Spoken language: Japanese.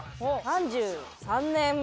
３３年目。